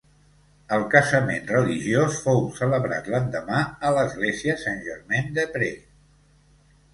El casament religiós fou celebrat l'endemà a l'església Saint-Germain-des-Prés.